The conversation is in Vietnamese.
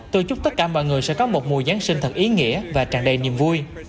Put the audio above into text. tôi chúc tất cả mọi người sẽ có một mùa giáng sinh thật ý nghĩa và tràn đầy niềm vui